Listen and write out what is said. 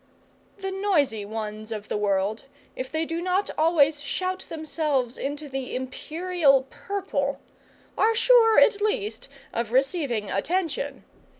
The noisy ones of the world, if they do not always shout themselves into the imperial purple, are sure at least of receiving attention.